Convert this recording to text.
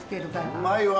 うまいわ。